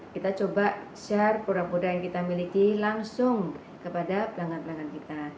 kita coba share produk produk yang kita miliki langsung kepada pelanggan pelanggan kita